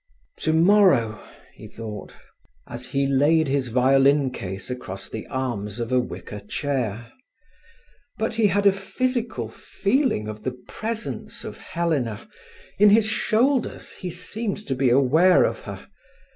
"Tomorrow," he thought, as he laid his violin case across the arms of a wicker chair. But he had a physical feeling of the presence of Helena: in his shoulders he seemed to be aware of her.